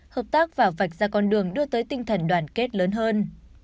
hợp tác và vạch ra con đường đưa tới tinh thần đoàn kết lớn hơn